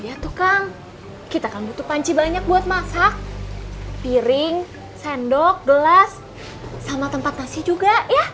ya tukang kita kan butuh panci banyak buat masak piring sendok gelas sama tempat nasi juga ya